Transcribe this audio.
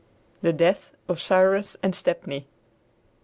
THE DEATH OF CYRUS AND STEPNEY.